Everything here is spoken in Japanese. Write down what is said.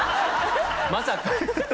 まさか。